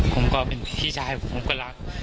ผมก็เป็นพี่ชายผมก็รัก